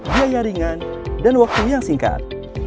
biaya ringan dan waktu yang singkat